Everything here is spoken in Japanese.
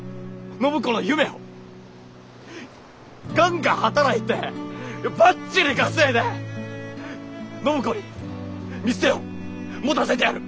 ガンガン働いてばっちり稼いで暢子に店を持たせてやる！